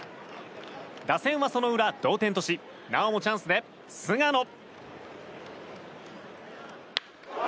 打線はその裏、同点としなおもチャンスで菅野。